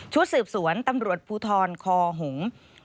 ชุดสืบสวนตำรวจภูทรคอหงษ์